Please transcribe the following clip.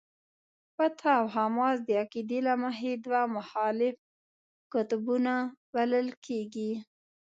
فتح او حماس د عقیدې له مخې دوه مخالف قطبونه بلل کېږي.